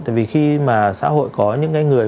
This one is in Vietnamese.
tại vì khi mà xã hội có những người